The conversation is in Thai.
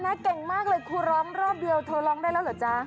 ได้แค่รอบเดียวโควิดที่กำลังฮิตในเมืองไทย